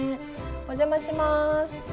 お邪魔します。